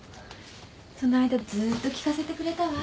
その間ずーっと聞かせてくれたわ。